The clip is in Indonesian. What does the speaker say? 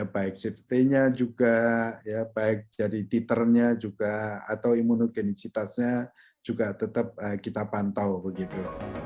baik safety nya juga ya baik jadi titernya juga atau imunogenisitasnya juga tetap kita pantau begitu